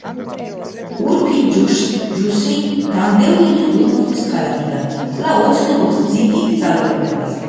ურფინ ჯუსი, განდევნილი ზურმუხტის ქალაქიდან, კვლავ ოცნებობს დიდ ძალაუფლებაზე.